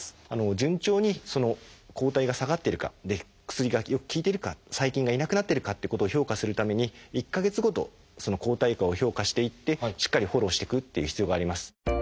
順調に抗体が下がっているか薬がよく効いてるか細菌がいなくなってるかっていうことを評価するために１か月ごと抗体価を評価していってしっかりフォローしてくっていう必要があります。